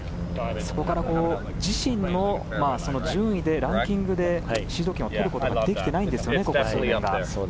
そこから自身の順位ランキングでシード権を取ることができてないんですよね。